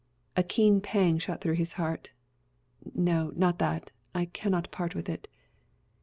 A keen pang shot through his heart. "No, not that; I cannot part with it."